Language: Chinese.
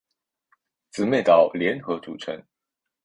姊妹岛联合组成。